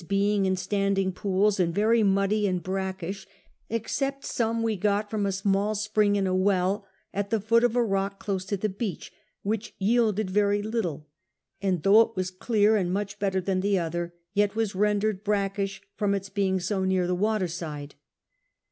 being in standing pools, Jiml very muddy and brackish, except some we got from a small s])ring in a well, at the foot of a rock close to the beach, Avhich yielded very little ; and though it was clear and much better than the other, yet was rendered brackish from its being so near the water side.